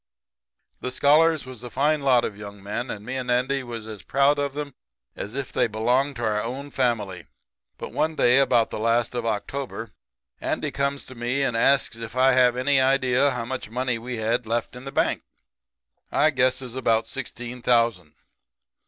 "The scholars was a fine lot of young men, and me and Andy was as proud of 'em as if they belonged to our own family. "But one day about the last of October Andy comes to me and asks if I have any idea how much money we had left in the bank. I guesses about sixteen thousand.